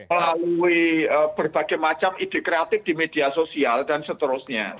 melalui berbagai macam ide kreatif di media sosial dan seterusnya